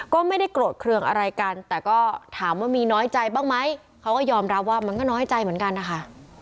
ก็ไม่ได้โกรธเครื่องอะไรกันแต่ก็ถามว่ามีน้อยใจบ้างไหมเขาก็ยอมรับว่ามันก็น้อยใจเหมือนกันนะคะ